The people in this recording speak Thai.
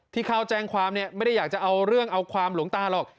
ที่เขาแจ้งความเนี่ยไม่ได้อยากจะเอาเรื่องเอาความหลวงตาหรอก